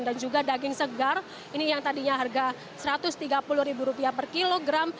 dan juga daging segar ini yang tadinya harga rp satu ratus tiga puluh per kilogram